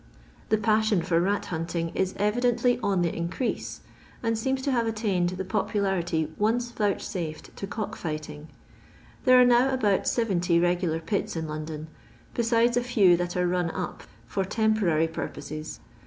The passion for ra^hunting is evidently on the increase, and seems to have attained the popu larity once vouchsafed to cock fighting. There are now about seventy reguUr pits in London, besides a few that are run up for temporary pur poses.